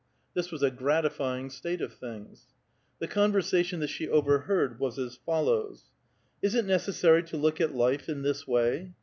This was a gratifying state of things. The conversation that she overheard was as follows :— ''Is it necessary tj look at life in this way?"